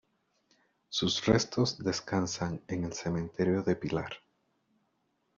Sus restos descansan en el Cementerio de Pilar.